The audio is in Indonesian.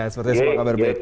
seperti semua kabar baik